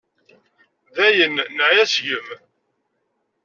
Dayen neɛya seg-m.